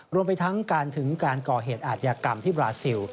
รวมไปทั้งการถึงการก่อเหตุอาทยากรรมที่บราซิล